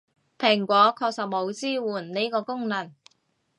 蘋果確實冇支援呢個功能